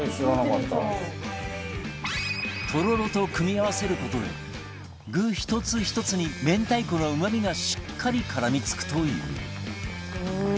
とろろと組み合わせる事で具１つ１つに明太子のうまみがしっかり絡み付くという